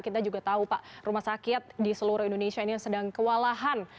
kita juga tahu pak rumah sakit di seluruh indonesia ini sedang kewalahan